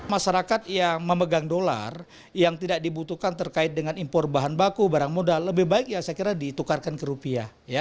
masyarakat yang memegang dolar yang tidak dibutuhkan terkait dengan impor bahan baku barang modal lebih baik ya saya kira ditukarkan ke rupiah